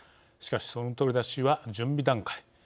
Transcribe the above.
しかし、その取り出しは準備段階。